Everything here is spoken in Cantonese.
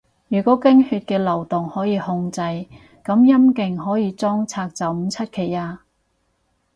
如果經血嘅流動可以控制，噉陰莖可以裝拆都唔出奇吖